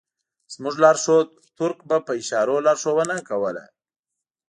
زموږ لارښود تُرک به په اشارو لارښوونه کوله.